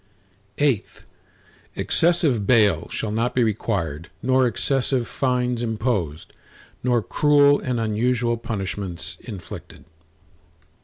VIII Excessive bail shall not be required nor excessive fines imposed, nor cruel and unusual punishments inflicted.